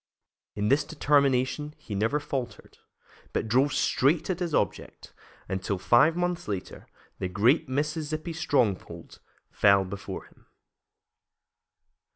In this determination he never faltered, but drove straight at his object until, five months later, the great Mississippi stronghold fell before him.